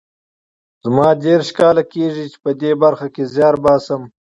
زما دېرش کاله کېږي چې په دې برخه کې زیار باسم